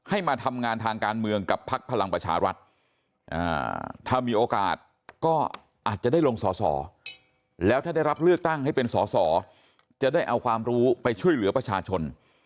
อาจจะได้ลงส่อแล้วถ้าได้รับเลือกตั้งให้เป็นส่อจะได้เอาความรู้ไปช่วยเหลือประชาชน